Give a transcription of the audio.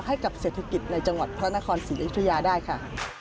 ให้กับเศรษฐกิจในจังหวัดพระนครศรีอยุธยาได้ค่ะ